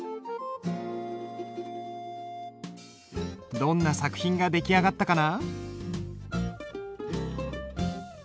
どんな作品が出来上がったかな？